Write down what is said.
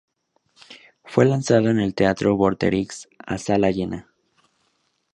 Fue lanzado en el Teatro Vorterix a sala llena.